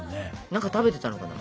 何か食べてたのかな？